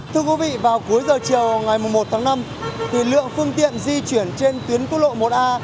thưa quý vị vào cuối giờ chiều ngày một tháng năm thì lượng phương tiện di chuyển trên tuyến quốc lộ một a